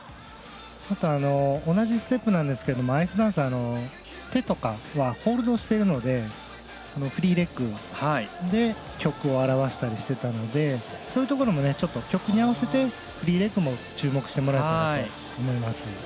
同じステップなんですがアイスダンスは手とかはホールドしているのでフリーレッグで曲を表したりしていたのでそういうところも曲に合わせてフリーレッグも注目してもらいたいと思います。